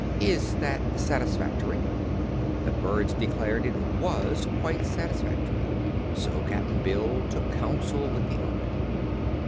Is that satisfactory?" The birds declared it was quite satisfactory, so Cap'n Bill took counsel with the Ork.